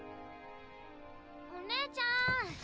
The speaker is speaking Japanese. お姉ちゃん。